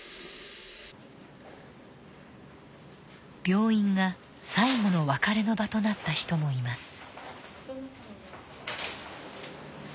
病院が最後の別れの場となった人もいます。